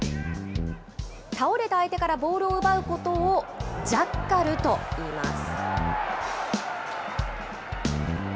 倒れた相手からボールを奪うことを、ジャッカルといいます。